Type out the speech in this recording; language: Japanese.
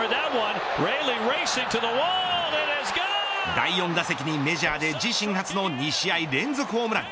第４打席にメジャーで自身初の２試合連続ホームラン。